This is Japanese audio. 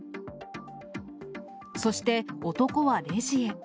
そして、男はレジへ。